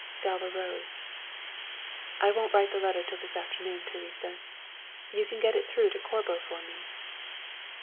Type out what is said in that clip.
Galva rose. "I won't write the letter till this afternoon, Teresa. You can get it through to Corbo for me?"